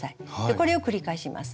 これを繰り返します。